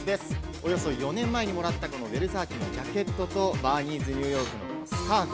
およそ４年前にもらったヴェルサーチのジャケットとバーニーズ・ニューヨークのスカーフ。